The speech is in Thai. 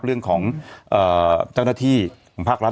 เรื่องของเจ้าหน้าที่ของภาครัฐ